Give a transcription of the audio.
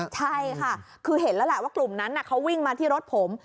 ใช่ค่ะคือเห็นแล้วแหละว่ากลุ่มนั้นเขาวิ่งมาที่รถผม